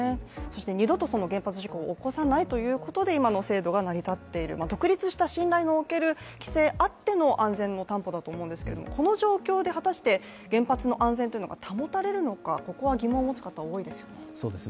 二度と原発事故を起こさないということで今の制度が成り立っている独立した信頼の置ける規制あっての安全の担保だと思うんですけど、この状況で果たして原発の安全は保たれるのか、ここは疑問を持つ方が多いですよね。